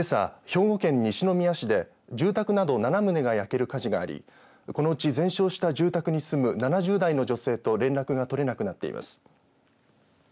兵庫県西宮市で住宅など７棟が焼ける火事がありこのうち全焼した住宅に住む７０代の女性と連絡が取れなくなっています。